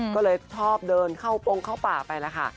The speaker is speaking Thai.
ก็เลยชอบเดินเข้าปงเข้าป่าไปแล้วค่ะ